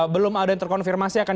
belum ada yang terkonfirmasi akan